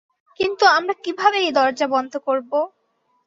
কিন্তু, আমরা কিভাবে এই দরজা বন্ধ করব?